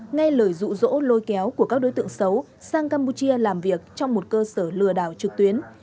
nghe lời dụ dỗ lôi kéo của các đối tượng xấu sang campuchia làm việc trong một cơ sở lừa đảo trực tuyến